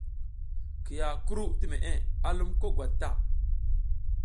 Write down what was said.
Kiya kuru ti meʼe a lum ko gwat ta.